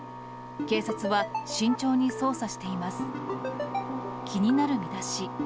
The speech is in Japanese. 警察は、慎重に捜査しています。